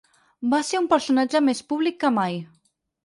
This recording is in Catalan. Va ser un personatge més públic que mai.